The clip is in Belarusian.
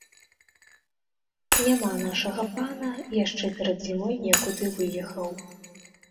Няма нашага пана, яшчэ перад зімой некуды выехаў.